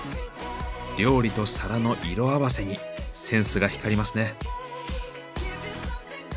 料理と皿の色合わせにセンスが光りますね。